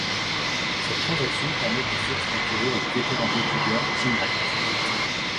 Cette transaction permet aux Sox d'acquérir le vétéran voltigeur Tim Raines.